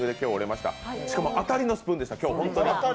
しかも当たりのスプーンでした。